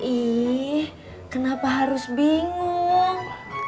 ih kenapa harus bingung